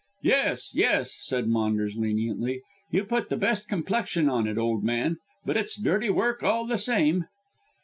"Yes, yes," said Maunders leniently, "you put the best complexion on it, old man, but it's dirty work all the same."